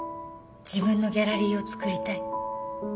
自分のギャラリーをつくりたい